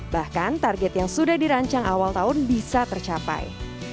bahkan target yang sudah dirancang awal tahun bisa tercapai